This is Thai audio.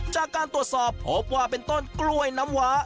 จากการตรวจสอบพบว่าเป็นต้นกล้วยน้ำว้า